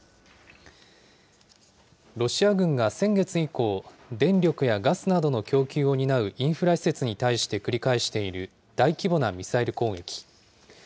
ロシア軍が先月以降、電力やガスなどの供給を担うインフラ施設に対して繰り返している大規模なミサイル攻撃。